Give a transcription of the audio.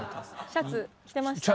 シャツ着てました？